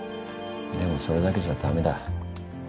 でもそれだけじゃだめだ。